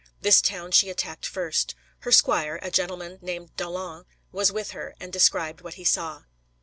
This town she attacked first. Her squire, a gentleman named d'Aulon, was with her, and described what he saw.